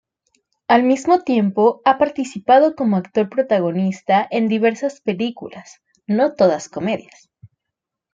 Al mismo tiempo, ha participado como actor protagonista en diversas películas, no todas comedias.